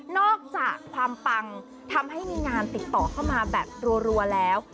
อกจากความปังทำให้มีงานติดต่อเข้ามาแบบรัวแล้ว